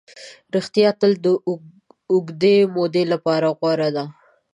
ریښتیا تل د اوږدې مودې لپاره غوره ده.